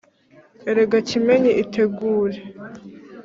erega kimenyi itegure